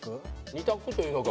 ２択というのか。